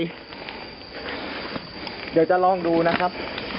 เดี๋ยวจะลองดูนะครับ